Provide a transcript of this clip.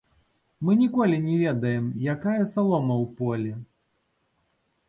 Мы ніколі не ведаем, якая салома ў полі.